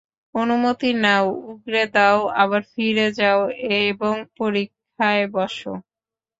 অনুমতি নাও, উগড়ে দাও, আবার ফিরে যাও এবং পরীক্ষায় বসো।